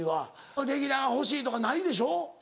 レギュラーが欲しいとかないでしょ？